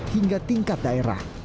hingga tingkat daerah